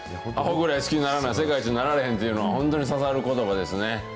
あほぐらい好きにならないと世界一になられへんっていうのは、本当に刺さることばですね。